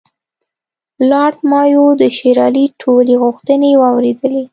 لارډ مایو د شېر علي ټولې غوښتنې واورېدلې.